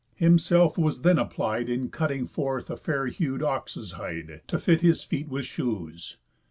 Himself was then applied In cutting forth a fair hued ox's hide, To fit his feet with shoes.